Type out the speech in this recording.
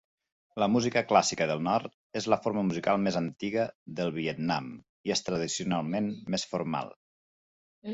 La música clàssica del nord és la forma musical més antiga del Vietnam i és tradicionalment més formal.